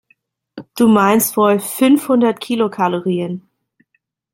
Du meinst wohl fünfhundert Kilokalorien.